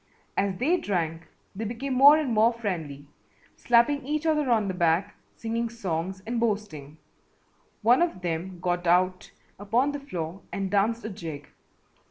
As they drank they became more and more friendly, slapping each other on the back, singing songs and boasting. One of them got out upon the floor and danced a jig.